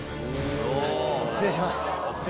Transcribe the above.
失礼します